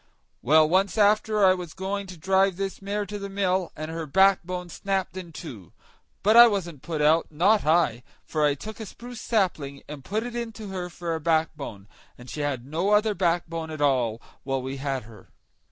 Well, once after that I was going to drive this mare to the mill, and her backbone snapped in two; but I wasn't put out, not I; for I took a spruce sapling, and put it into her for a backbone, and she had no other backbone all the while we had her.